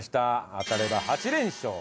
当たれば８連勝。